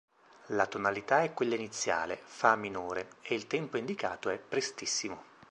La tonalità è quella iniziale: fa minore e il tempo indicato è "Prestissimo".